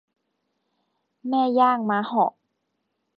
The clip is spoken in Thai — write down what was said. แม่ย่างม้าเหาะ